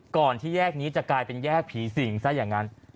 ที่แยกนี้จะกลายเป็นแยกผีสิงซะอย่างนั้น